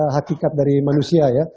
hakikat dari manusia ya